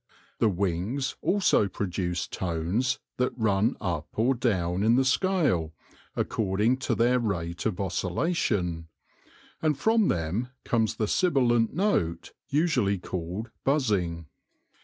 The wings also produce tones that run up or down in the scale, according to their rate of oscillation ; and from them comes the sibilant note usually called buzzing.